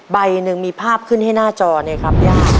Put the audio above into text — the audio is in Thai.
ใบหนึ่งมีภาพขึ้นให้หน้าจอเนี่ยครับย่า